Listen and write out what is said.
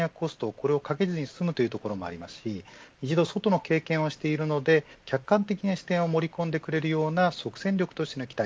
これをかけずに済むということもありますし一度、外の経験をしているので客観的な視点を盛り込んでくれるような即戦力としての期待